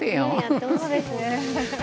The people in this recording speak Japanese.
そうですね。